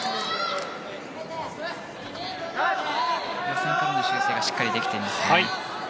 予選からの修正がしっかりできています。